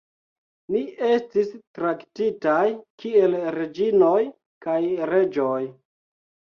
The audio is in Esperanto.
Ni estis traktitaj kiel reĝinoj kaj reĝoj